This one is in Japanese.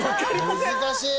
難しい。